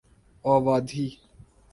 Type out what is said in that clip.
اوادھی